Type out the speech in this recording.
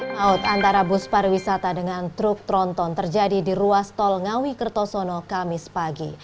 maut antara bus pariwisata dengan truk tronton terjadi di ruas tol ngawi kertosono kamis pagi